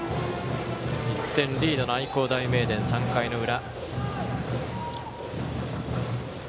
１点リードの愛工大名電３回の裏。